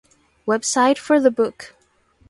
Website for the book.